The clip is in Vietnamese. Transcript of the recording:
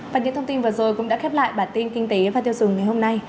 và những thông tin vừa rồi cũng đã khép lại bản tin kinh tế và tiêu dùng ngày hôm nay